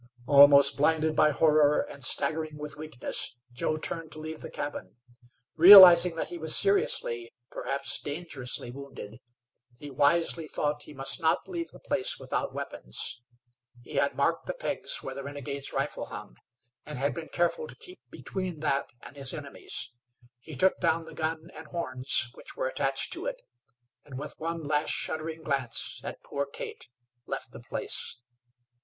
Almost blinded by horror, and staggering with weakness, Joe turned to leave the cabin. Realizing that he was seriously, perhaps dangerously, wounded he wisely thought he must not leave the place without weapons. He had marked the pegs where the renegade's rifle hung, and had been careful to keep between that and his enemies. He took down the gun and horns, which were attached to it, and, with one last shuddering glance at poor Kate, left the place.